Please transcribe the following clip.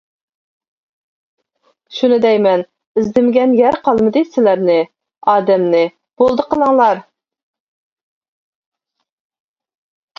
-شۇنى دەيمەن ئىزدىمىگەن يەر قالمىدى سىلەرنى، ئادەمنى. -بولدى قىلىڭلار!